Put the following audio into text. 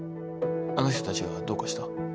あの人たちがどうかした？